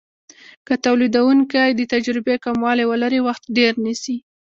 که تولیدونکی د تجربې کموالی ولري وخت ډیر نیسي.